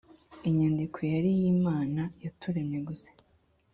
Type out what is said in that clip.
inyandiko yari iy imana yaturemye gusa